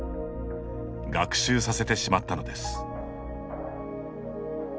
学習させてしまったのです。